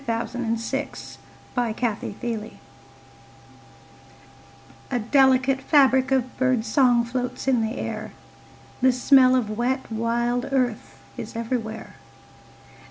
VI The Dark Cup May Day A delicate fabric of bird song Floats in the air, The smell of wet wild earth Is everywhere.